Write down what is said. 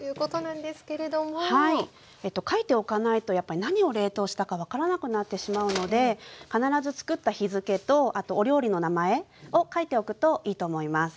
書いておかないとやっぱ何を冷凍したか分からなくなってしまうので必ずつくった日付とあとお料理の名前を書いておくといいと思います。